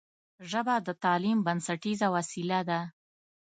ژبه د تعلیم بنسټیزه وسیله ده